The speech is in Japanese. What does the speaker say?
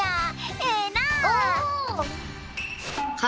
ええなあ。